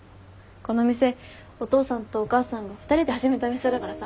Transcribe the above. この店お父さんとお母さんが２人で始めた店だからさ。